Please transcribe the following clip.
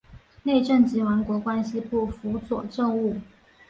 内政及王国关系部辅佐政务。